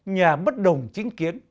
nhà bất đồng chính kiến